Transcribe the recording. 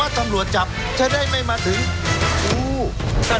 โดยโดยโดย